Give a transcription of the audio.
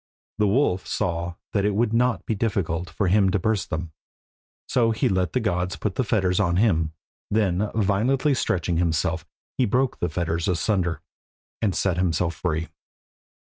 The wolf saw that it would not be difficult for him to burst them, so he let the gods put the fetters on him, then violently stretching himself he broke the fetters asunder, and set himself free.